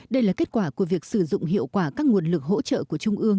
đây là kết quả của việc sử dụng hiệu quả các nguồn lực hỗ trợ của trung ương